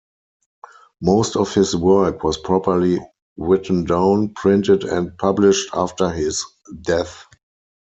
Most of his work was properly written down, printed and published after his death.